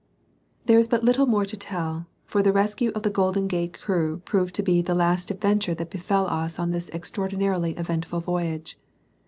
There is but little more to tell, for the rescue of the Golden Gates crew proved to be the last adventure that befell us on this extraordinarily eventful voyage.